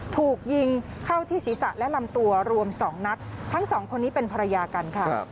ถูกยิงเข้าที่ศีรษะและลำตัวรวมสองนัดทั้งสองคนนี้เป็นภรรยากันค่ะ